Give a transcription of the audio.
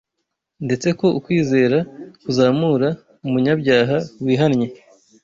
ndetse ko ukwizera kuzamura umunyabyaha wihannye